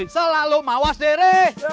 selalu mawas diri